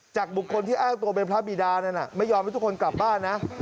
บุคคลที่อ้างตัวเป็นพระบิดานั้นไม่ยอมให้ทุกคนกลับบ้านนะ